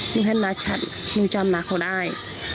หนูเห็นน่าชัดหนูจำน่าเขาได้